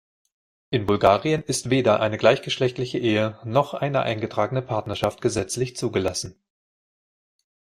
In Bulgarien ist weder eine gleichgeschlechtliche Ehe noch eine eingetragene Partnerschaft gesetzlich zugelassen.